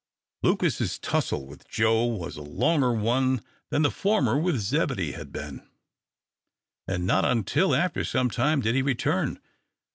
Lucas's tussle with Joe was a longer one than the former with Zebedee had been, and not until after some time did he return.